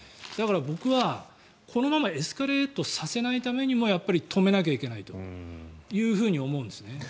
だから僕はこのままエスカレートさせないためにもやっぱり止めないといけないと思うんですね。